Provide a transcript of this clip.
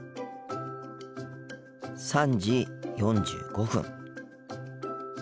３時４５分。